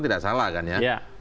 tidak salah kan ya